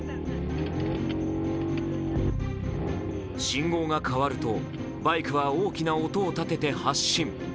信号が変わるとバイクは大きな音を立てて発進。